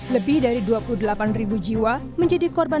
lebih dari dua puluh delapan ribu jiwa menjadi korban